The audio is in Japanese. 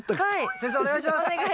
先生お願いします！